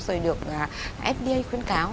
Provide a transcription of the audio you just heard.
rồi được fda khuyến cáo